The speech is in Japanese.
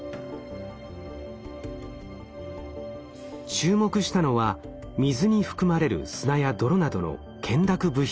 注目したのは水に含まれる砂や泥などの懸濁物質。